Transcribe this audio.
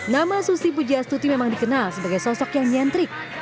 nama susi pujastuti memang dikenal sebagai sosok yang nyentrik